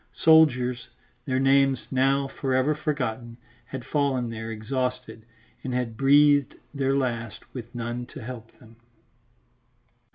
Soldiers, their names now for ever forgotten, had fallen there exhausted and had breathed their last with none to help them.